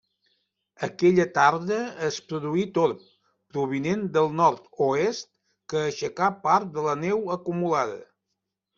Aquella tarda es produí torb, provinent del nord-oest, que aixecà part de la neu acumulada.